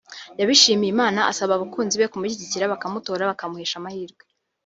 yabishimiye Imana asaba abakunzi be kumushyigikira bakamutora bakamuhesha amahirwe